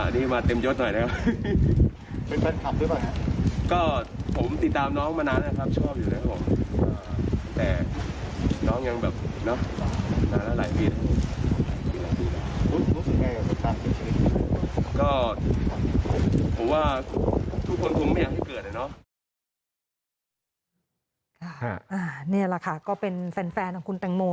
นี่แหละค่ะก็เป็นแฟนของคุณแตงโม